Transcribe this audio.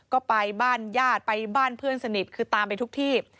ก็ไปบ้านญาติไปบ้านเพื่อนสนิทคือตามไปทุกที่